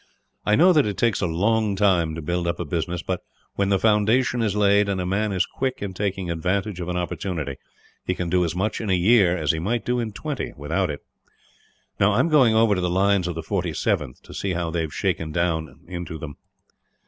I know that it takes a long time to build up a business but, when the foundation is laid, and a man is quick in taking advantage of an opportunity, he can do as much in a year as he might do in twenty, without it. "Now, I am going over to the lines of the 47th, to see how they have shaken down into them."